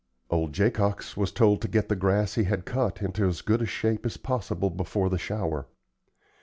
Old Jacox was told to get the grass he had cut into as good shape as possible before the shower.